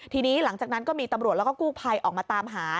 ทีนี้หลังจากนั้นก็มีตำรวจแล้วก็กู้ภัยออกมาตามหา